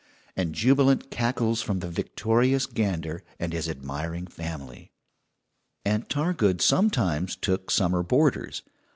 and jubilant cackles from the victorious gander and his admiring family. Aunt Targood sometimes took summer boarders.